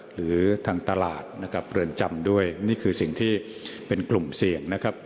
หรือทางตลาดนะครับเรือนจำด้วยนี่คือสิ่งที่เป็นกลุ่มเสี่ยงนะครับ